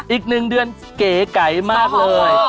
อีกหนึ่งเดือนเก๋ไก่มากเลย